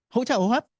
hỗ trợ hỗ hấp